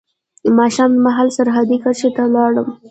ماښام مهال سرحدي کرښې ته ولاړو.